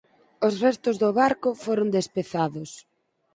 Os restos do barco foron despezados.